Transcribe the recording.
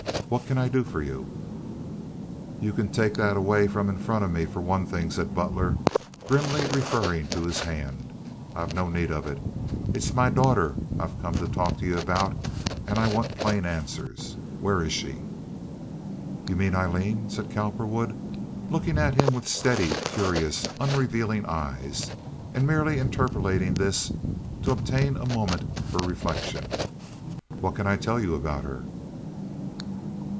"What can I do for you?" "Ye can take that away from in front of me, for one thing," said Butler, grimly referring to his hand. "I have no need of it. It's my daughter I've come to talk to ye about, and I want plain answers. Where is she?" "You mean Aileen?" said Cowperwood, looking at him with steady, curious, unrevealing eyes, and merely interpolating this to obtain a moment for reflection. "What can I tell you about her?"